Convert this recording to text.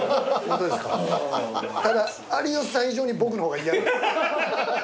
ただ有吉さん以上に僕の方が嫌です。